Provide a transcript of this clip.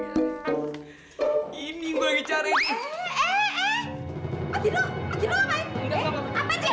kalau dikendalikan disini jadi orang gede